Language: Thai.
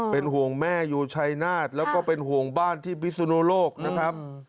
เป็นห่วงแม่อยู่ชัยนาฏแล้วก็เป็นห่วงบ้านที่พิสุนโลกนะครับ